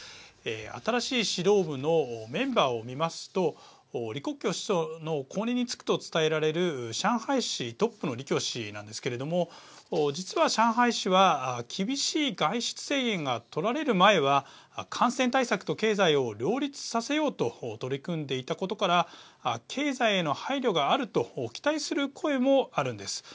新しい指導部のメンバーを見ますと李克強首相の後任に就くと伝えられる上海市トップの李強氏なんですけれども実は上海市は厳しい外出制限が取られる前は感染対策と経済を両立させようと取り組んでいたことから経済への配慮があると期待する声もあるんです。